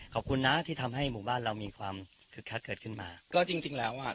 ขอบคุณนะที่ทำให้หมู่บ้านเรามีความคึกคักเกิดขึ้นมาก็จริงจริงแล้วอ่ะ